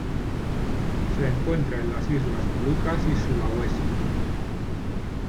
Se encuentra en las Islas Molucas y Sulawesi.